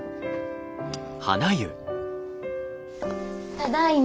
ただいま。